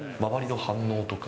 周りの反応とか。